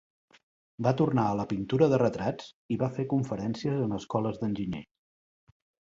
Va tornar a la pintura de retrats i va fer conferències en escoles d'enginyers.